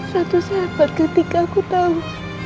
satu sahabat ketika aku tahu